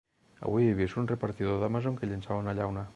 avui he vist un repartidor d'Amazon que llençava una llauna